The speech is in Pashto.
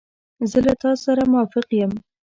زه له تا سره موافق یم.